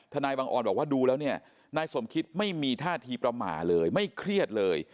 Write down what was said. นายบังออนบอกว่าดูแล้วเนี่ยนายสมคิดไม่มีท่าทีประมาทเลยไม่เครียดเลย